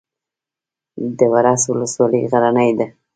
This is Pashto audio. د ورس ولسوالۍ غرنۍ ده